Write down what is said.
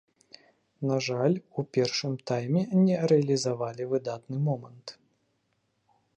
На жаль, у першым тайме не рэалізавалі выдатны момант.